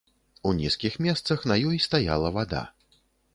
У нізкіх месцах на ёй стаяла вада.